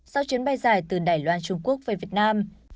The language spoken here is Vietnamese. sau chuyến bay dài từ đài loan trung quốc về việt nam